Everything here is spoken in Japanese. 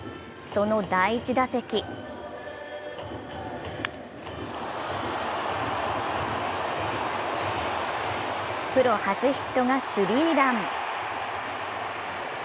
その第１打席プロ初ヒットがスリーラン。